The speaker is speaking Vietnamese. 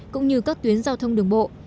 cũng như các tuyến giao thông đường bộ